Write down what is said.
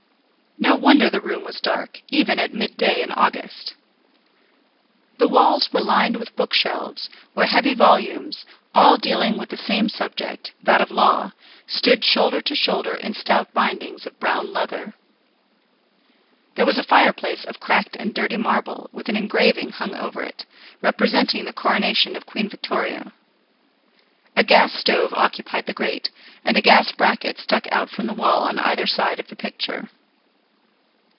No wonder the room was dark, even at midday in August. The walls were lined with bookshelves, where heavy volumes, all dealing with the same subject, that of law, stood shoulder to shoulder in stout bindings of brown leather. There was a fireplace of cracked and dirty marble with an engraving hung over it, representing the coronation of Queen Victoria. A gas stove occupied the grate, and a gas bracket stuck out from the wall on either side of the picture.